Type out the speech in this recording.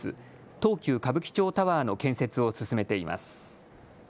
東急歌舞伎町タワーの建設を進めています。